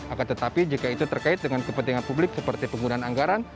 akan tetapi jika itu terkait dengan kepentingan publik seperti penggunaan anggaran